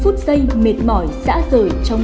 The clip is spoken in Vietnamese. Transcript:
phút giây mệt mỏi dã rời trong